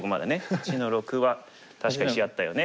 ８の六は確かに石あったよね。